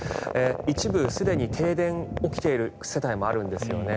一部、すでに停電が起きている世帯もあるんですよね。